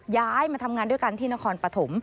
ย้ายมาทำงานด้วยกันที่นครปฐม